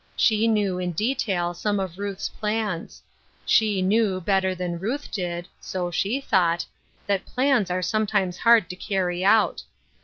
She knew, in detail, some of Ruth's plans. She knew, better than Ruth did — so she thought — that plans are sometimes hard to carry out.